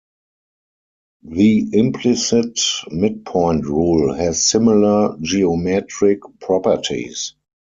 The implicit midpoint rule has similar geometric properties.